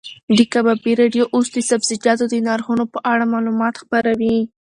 د کبابي راډیو اوس د سبزیجاتو د نرخونو په اړه معلومات خپروي.